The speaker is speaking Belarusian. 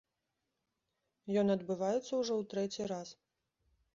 Ён адбываецца ўжо ў трэці раз.